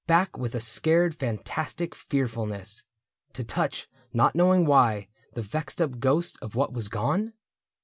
Back with a scared fantastic fearfulness. To touch, not knowing why, the vexed up ghost Of what was gone